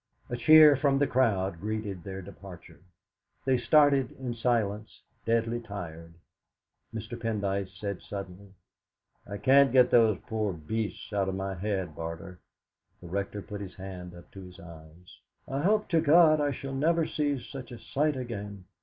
A cheer from the crowd greeted their departure. They started in silence, deadly tired. Mr. Pendyce said suddenly: "I can't get those poor beasts out of my head, Barter!" The Rector put his hand up to his eyes. "I hope to God I shall never see such a sight again!